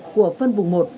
của phân vùng một